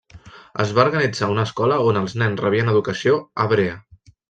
Es va organitzar una escola on els nens rebien educació hebrea.